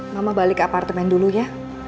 mama balik ke apartemen dulu ya